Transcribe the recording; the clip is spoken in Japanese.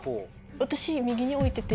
私。